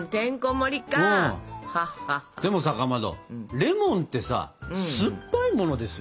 でもさかまどレモンってさ酸っぱいものですよね？